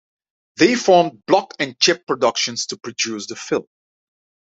They formed Block and Chip Productions to produce the film.